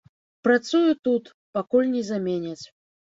Працую тут, пакуль не заменяць.